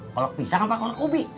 kolek pisang apa kolek ubi